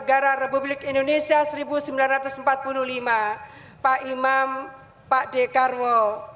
negara republik indonesia seribu sembilan ratus empat puluh lima pak imam pak dekarwo